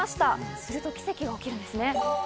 すると奇跡が起きるんですね。